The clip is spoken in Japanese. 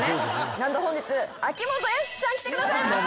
何と本日秋元康さん来てくださいました。